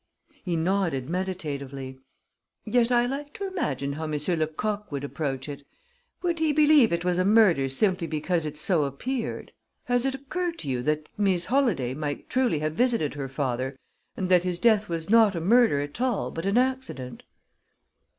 He nodded meditatively. "Yet I like to imagine how Monsieur Lecoq would approach it. Would he believe it was a murder simply because it so appeared? Has it occurred to you that Mees Holladay truly might have visited her father, and that his death was not a murder at all, but an accident?"